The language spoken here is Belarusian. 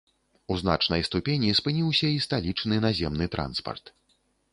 У значнай ступені спыніўся і сталічны наземны транспарт.